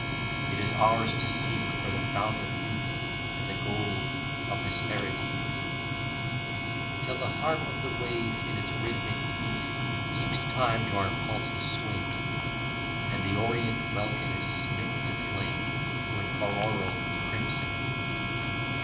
It is ours to seek for the fount of youth, and the gold of Hesperides, Till the harp of the waves in its rhythmic beat keeps time to our pulses' swing, And the orient welkin is smit to flame with auroral crimsoning.